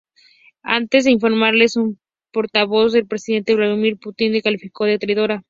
Ante estas informaciones, un portavoz del Presidente Vladímir Putin la calificó de "traidora".